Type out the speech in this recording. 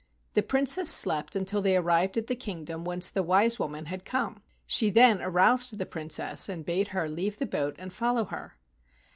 The Princess slept until they arrived at the kingdom whence the wise woman had come. She then aroused the Princess and bade her leave the boat and follow her.